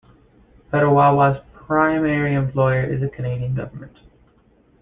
Petawawa's primary employer is the Canadian Government.